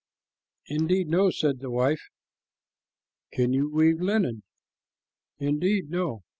"Indeed, no," said the wife. "Can you weave linen?" "Indeed, no."